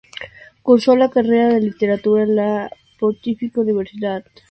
Cursó la carrera de Literatura en la Pontificia Universidad Javeriana de Bogotá.